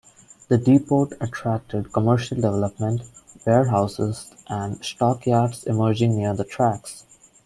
The depot attracted commercial development, warehouses and stockyards emerged near the tracks.